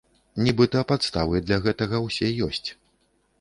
Нібыта падставы для гэтага ўсе ёсць.